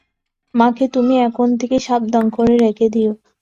মাকে তুমি এখন থেকে সাবধান করে রেখে দিয়ো।